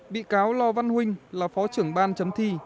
bị cáo lò văn huynh là phó trưởng ban chấm thi